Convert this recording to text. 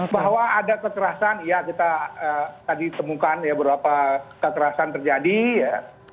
bahwa ada kekerasan ya kita tadi temukan ya beberapa kekerasan terjadi ya